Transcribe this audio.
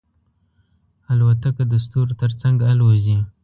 الوتکه د ستورو تر څنګ الوزي.